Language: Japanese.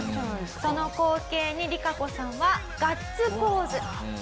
その光景にリカコさんはガッツポーズ。